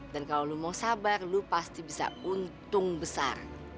dan kalau lu mau sabar lu pasti bisa untung besar